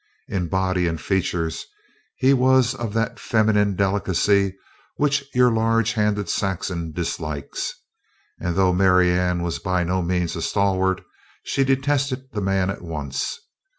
In body and features he was of that feminine delicacy which your large handed Saxon dislikes, and though Marianne was by no means a stalwart, she detested the man at once.